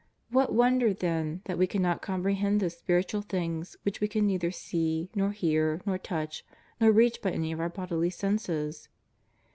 What w^onder, then, that we cannot comprehend those spiritual things which w^e can neither see, nor hear, nor touch, nor reach by any of our bodily senses